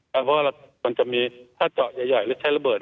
เพราะว่ามันจะมีถ้าเจาะใหญ่หรือใช้ระเบิด